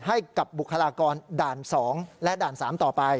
ให้กับบุคลากรด่าน๒และด่าน๓ต่อไป